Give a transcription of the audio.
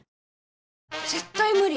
絶対無理。